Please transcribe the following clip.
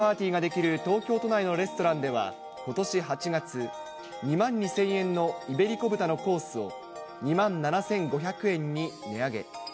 ウエディングパーティーができる東京都内のレストランでは、ことし８月、２万２０００円のイベリコ豚のコースを２万７５００円に値上げ。